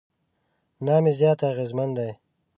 نام یې زیات اغېزمن دی.